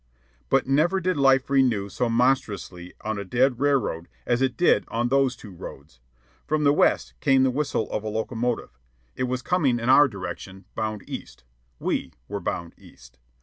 But never did life renew so monstrously on a dead railroad as it did on those two roads. From the west came the whistle of a locomotive. It was coming in our direction, bound east. We were bound east.